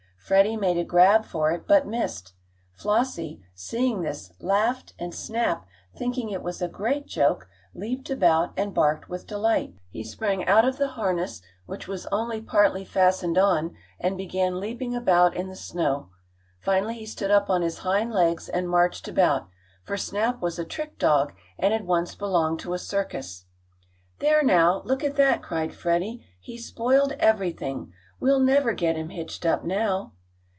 Freddie made a grab for it, but missed. Flossie, seeing this, laughed and Snap, thinking it was a great joke, leaped about and barked with delight. He sprang out of the harness, which was only partly fastened on, and began leaping about in the snow. Finally he stood up on his hind legs and marched about, for Snap was a trick dog, and had once belonged to a circus. "There now! Look at that!" cried Freddie. "He's spoiled everything! We'll never get him hitched up now."